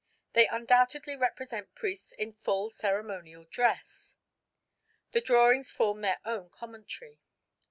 They undoubtedly represent priests in full ceremonial dress. The drawings form their own commentary.